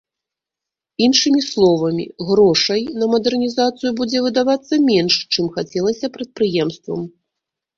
Іншымі словамі, грошай на мадэрнізацыю будзе выдавацца менш, чым хацелася прадпрыемствам.